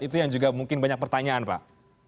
itu yang juga mungkin banyak pertanyaan pak